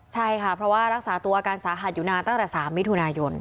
ใช่ค่ะเพราะว่ารักษาตัวอาการสาหัสอยู่นานตั้งแต่๓มิถุนายน